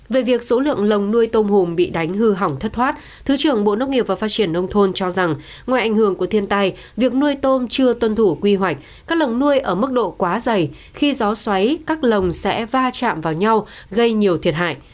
về việc số lượng lồng nuôi tôm hùm bị đánh hư hỏng thất thoát thứ trưởng bộ nông nghiệp và phát triển nông thôn cho rằng ngoài ảnh hưởng của thiên tai việc nuôi tôm chưa tuân thủ quy hoạch các lồng nuôi ở mức độ quá dày khi gió xoáy các lồng sẽ va chạm vào nhau gây nhiều thiệt hại